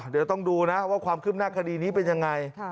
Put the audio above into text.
เดี๋ยวต้องดูนะว่าความคืบหน้าคดีนี้เป็นยังไง